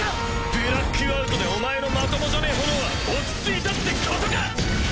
ブラックアウトでお前のまともじゃねえ炎は落ち着いたってことか！